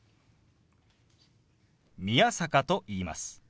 宮坂と言います。